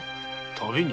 旅に？